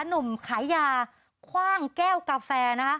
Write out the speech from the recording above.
หนุ่มขายยาคว่างแก้วกาแฟนะคะ